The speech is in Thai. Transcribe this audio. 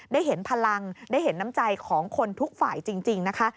ได้เห็นพลังได้เห็นน้ำใจของคนทุกฝ่ายจริงนะคะ